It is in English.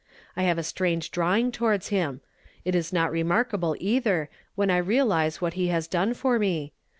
I have a strange drawing tinvards him ; it is not remarkable either, when I realize what he has done for me.